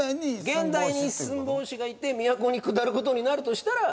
現代に一寸法師がいて都に下る事になるとしたら。